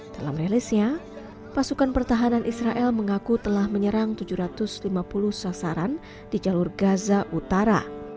dalam rilisnya pasukan pertahanan israel mengaku telah menyerang tujuh ratus lima puluh sasaran di jalur gaza utara